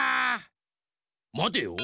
まてよ。